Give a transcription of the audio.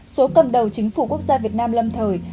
số cầm đầu chính phủ quốc gia việt nam lâm thời